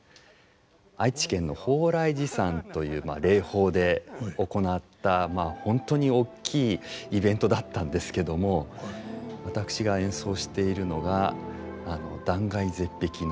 愛知県の鳳来寺山という霊峰で行った本当に大きいイベントだったんですけども私が演奏しているのが断崖絶壁の。